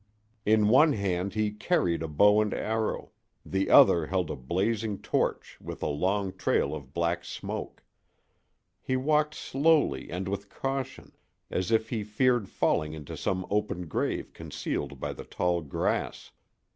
In one hand he carried a bow and arrow; the other held a blazing torch with a long trail of black smoke. He walked slowly and with caution, as if he feared falling into some open grave concealed by the tall grass.